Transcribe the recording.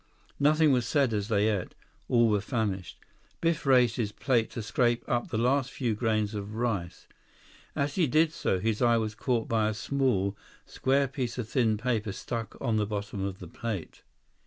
Nothing was said as they ate. All were famished. Biff raised his plate to scrape up the last few grains of rice. As he did so, his eye was caught by a small, square piece of thin paper stuck on the bottom of the plate.